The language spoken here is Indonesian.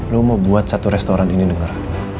lo mau buat satu restoran ini denger